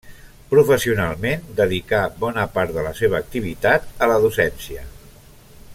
Professionalment, dedicà bona part de la seva activitat a la docència.